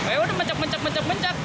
yaudah mencak mencak mencak mencak